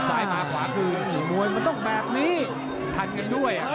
ซ้ายมาขวาคือมวยมันต้องแบบนี้ทันกันด้วย